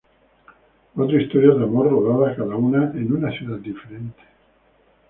Cuatro historias de amor, rodada cada una en una ciudad diferente.